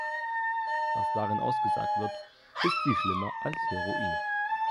Was darin ausgesagt wird, ist viel schlimmer als Heroin.